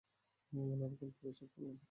উনার অ্যাকাউন্ট পুরো চেক করলাম।